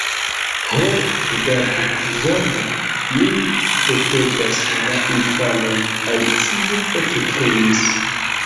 "Ho, rigardu, zorgu, mi petegas la infanon!" Alicio ekkriis.